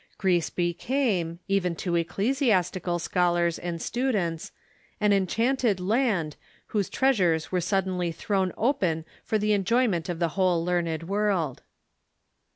Greece became, even to ecclesiastical scholars and students, an enchanted land, whose treasures were suddenly thrown open for the enjoy ment of the whole learned world.